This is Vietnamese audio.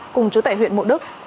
cùng trú tại huyện mộ đức